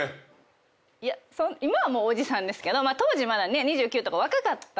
いや今はおじさんですけど当時まだね２９とか若かったので夫も。